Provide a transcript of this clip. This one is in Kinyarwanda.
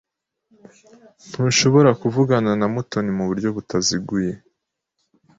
Ntushobora kuvugana na Mutoni mu buryo butaziguye.